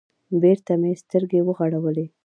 بېرته مې سترگې وغړولې.